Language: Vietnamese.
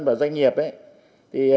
và doanh nghiệp thì